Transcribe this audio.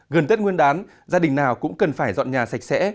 gần tết nguyên đán gia đình nào cũng cần phải dọn nhà sạch sẽ